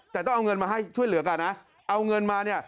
แต่ต้องเอาเงินมาให้ช่วยเหลือกันนะเอาเงินมาเนี่ย